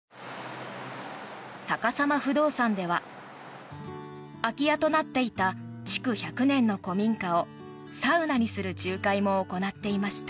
さかさま不動産では空き家となっていた築１００年の古民家をサウナにする仲介も行っていました。